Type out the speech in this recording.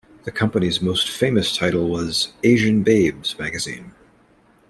The company's most famous title was "Asian Babes" magazine.